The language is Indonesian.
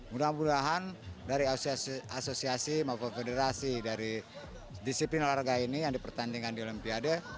mudah mudahan dari asosiasi maupun federasi dari disiplin olahraga ini yang dipertandingkan di olimpiade